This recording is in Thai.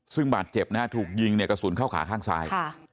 ซึ่งบาดเจ็บนะฮะถูกยิงเนี่ยกระสุนเข้าขาข้างซ้าย